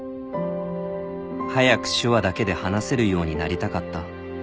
「早く手話だけで話せるようになりたかった」